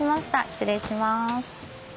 失礼します。